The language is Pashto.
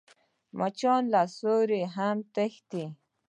مچان له سیوري هم تښتي